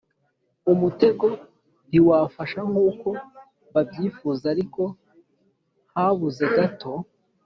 umutego ntiwafashe nk'uko babyifuzaga ariko habuze gato.